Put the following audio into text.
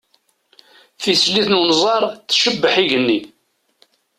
Tislit n unẓar tcebbeḥ igenni.